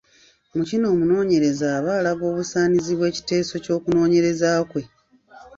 Mu kino omunoonyereza aba alaga obusaanizi bw’ekiteeso ky’okunoonyereza kwe.